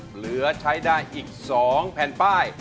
เหลือใช้ได้อีก๒แผ่นป้าย